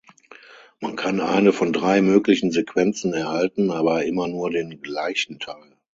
Man kann eine von drei möglichen Sequenzen erhalten, aber immer nur den gleichen Teil.